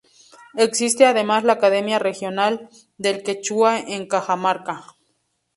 Existe además la Academia Regional del quechua en Cajamarca.